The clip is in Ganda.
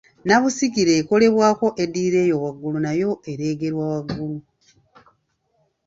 nnabusigire ekolebwako eddirira eyo waggulu nayo ereegerwa waggulu